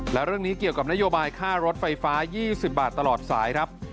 และเรื่องนี้เกี่ยวกับนโยบายค่ารถไฟฟ้า๒๐บาทตลอดสายครับ